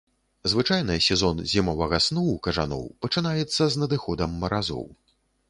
Звычайна сезон зімовага сну ў кажаноў пачынаецца з надыходам маразоў.